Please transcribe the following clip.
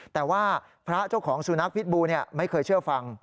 แต่ว่าพระเจ้าของสุนัขพิษบูไม่เคยเชื่อฟัง